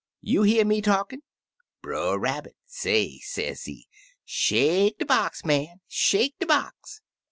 You hear me talkin'l' Brer Rabbit say, sezee, 'Shake de box, man! Shake de box!'